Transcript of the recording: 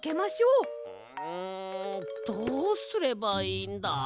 うんどうすればいいんだ？